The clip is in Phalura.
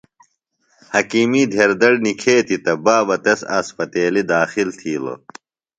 حکِیمی ڈھیر دڑ نِکھیتیۡ تہ بابہ تس اسپتیلیۡ داخل تِھیلوۡ۔